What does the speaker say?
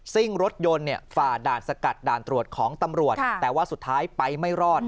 ่งรถยนต์เนี่ยฝ่าด่านสกัดด่านตรวจของตำรวจแต่ว่าสุดท้ายไปไม่รอด